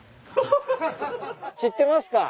知ってますか？